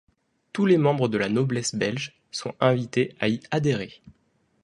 Tous les membres de la noblesse belge sont invités à y adhérer.